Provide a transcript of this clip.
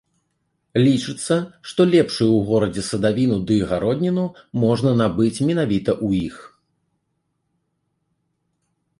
Лічыцца, што лепшую ў горадзе садавіну ды гародніну можна набыць менавіта ў іх.